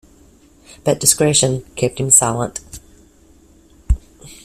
But discretion kept him silent.